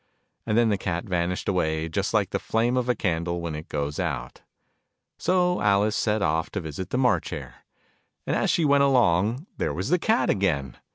And then the Cat vanished away, just like the flame of a candle when it goes out ! So Alice set off, to visit the March Hare. And as she went along, there was the Cat again